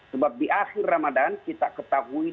sebab di akhir ramadan kita ketahui